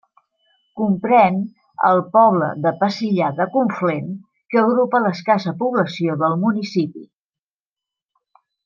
Comprèn el poble de Pesillà de Conflent, que agrupa l'escassa població del municipi.